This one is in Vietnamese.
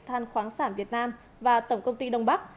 than khoáng sản việt nam và tổng công ty đông bắc